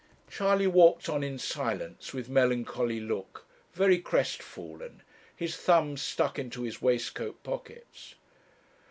Charley walked on in silence, with melancholy look, very crestfallen, his thumbs stuck into his waistcoat pockets.